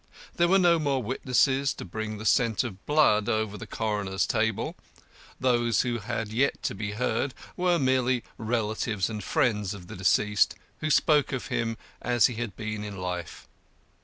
There were no more witnesses to bring the scent of blood over the coroner's table; those who had yet to be heard were merely relatives and friends of the deceased, who spoke of him as he had been in life.